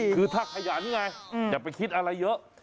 คือถ้าขยันไงอย่าไปคิดอะไรเยอะ